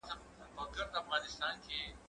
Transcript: زه به سبا زده کړه وکړم؟!